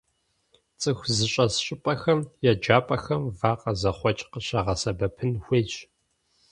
ЦӀыху зыщӀэс щӀыпӀэхэм, еджапӀэхэм вакъэ зэхъуэкӀ къыщыгъэсэбэпын хуейщ.